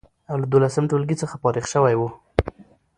او له دولسم ټولګي څخه فارغ شوی و،